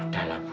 udah lah bu